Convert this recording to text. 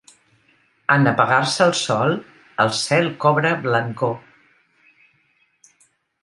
En apagar-se el sol, el cel cobra blancor.